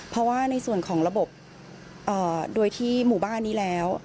เพราะว่าในส่วนของระบบโดยที่หมู่บ้านนี้แล้ว